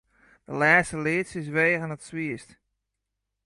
De lêste leadsjes weage swierst.